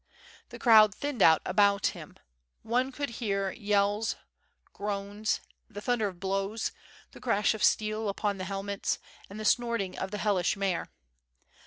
The crowd thinned out about him; one could hear yells, groans, the thunder of blows, the crash of steel upon the helmets and the snorting of the hellish mare.